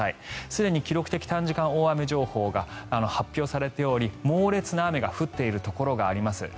すでに記録的短時間大雨情報が発表されており猛烈な雨が降っているところがあります。